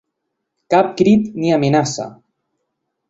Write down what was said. Cap crit ni amenaça.